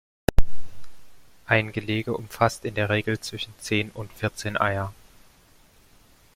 Ein Gelege umfasst in der Regel zwischen zehn und vierzehn Eier.